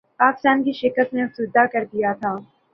پاکستان کی شکست نے افسردہ کردیا تھا